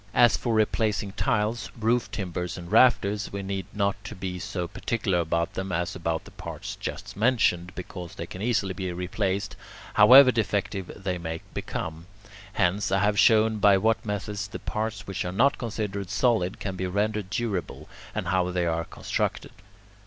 As for replacing tiles, roof timbers, and rafters, we need not be so particular about them as about the parts just mentioned, because they can easily be replaced, however defective they may become. Hence, I have shown by what methods the parts which are not considered solid can be rendered durable, and how they are constructed.